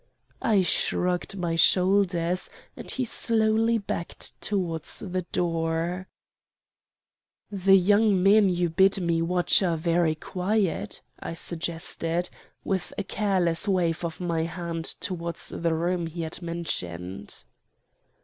"I shrugged my shoulders and he slowly backed towards the door. "'The young men you bid me watch are very quiet,' I suggested, with a careless wave of my hand towards the room he had mentioned.